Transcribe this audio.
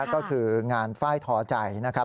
ก็คืองานฝ้ายท้อใจนะครับ